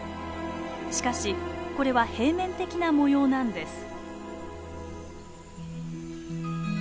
しかしこれは平面的な模様なんです。